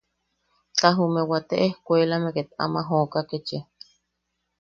Ta jume wate ejkuelame ket ama jooka kechia.